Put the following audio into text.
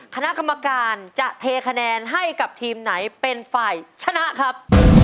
คณะกรรมการจะเทคะแนนให้กับทีมไหนเป็นฝ่ายชนะครับ